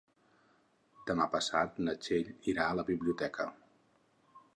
Demà passat na Txell irà a la biblioteca.